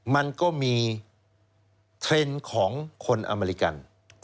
มันก็มีเทรนด์ของคนอเมริกัน